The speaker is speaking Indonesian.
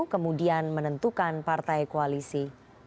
kemudian menentukan partai koalisi